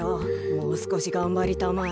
もうすこしがんばりたまえ。